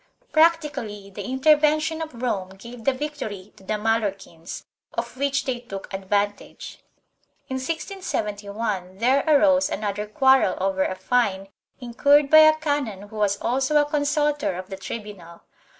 1 Practically the intervention of Rome gave the victory to the Mallorquins, of which they took advantage. In 1671 there arose another quarrel over a fine incurred by a canon who was also a consul tor of the tribunal.